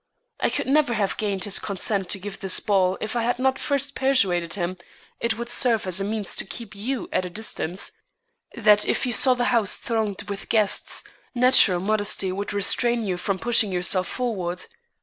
I could never have gained his consent to give this ball if I had not first persuaded him it would serve as a means to keep you at a distance; that if you saw the house thronged with guests, natural modesty would restrain you from pushing yourself forward.